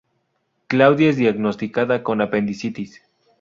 Claudia es diagnosticada con apendicitis.